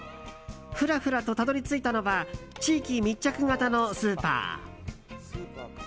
フラフラとたどり着いたのは地域密着型のスーパー。